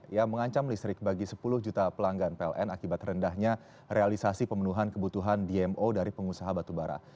yang mengancam listrik bagi sepuluh juta pelanggan pln akibat rendahnya realisasi pemenuhan kebutuhan dmo dari pengusaha batubara